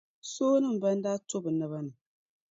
Soonima ban daa to bɛ naba ni.